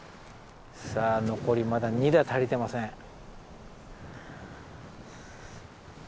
さあ残りまだ２打足りてません。